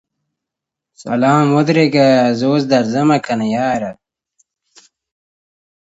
د هنر د ښه والي په اړه بحث تل دوام لري.